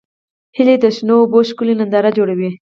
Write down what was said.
هیلۍ د شنو اوبو ښکلې ننداره جوړوي